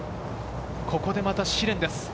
ここでまた試練です。